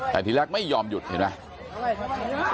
แต่ทีแรกไม่ยอมหยุดเห็นไหม